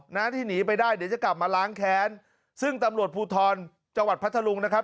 นะที่หนีไปได้เดี๋ยวจะกลับมาล้างแค้นซึ่งตำรวจภูทรจังหวัดพัทธลุงนะครับ